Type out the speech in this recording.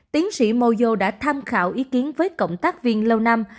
tiến sĩ mozo đã tham khảo ý kiến với cộng tác viên lâu năm